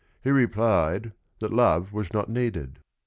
He replied that love was not needed.